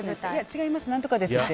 違います、何とかですって。